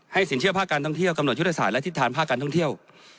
สินเชื่อภาคการท่องเที่ยวกำหนดยุทธศาสตร์และทิศทางภาคการท่องเที่ยว